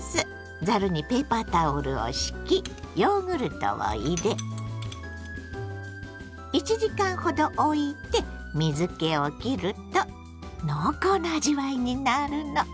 ざるにペーパータオルを敷きヨーグルトを入れ１時間ほどおいて水けをきると濃厚な味わいになるの。